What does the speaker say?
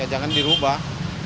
ya jangan dirubah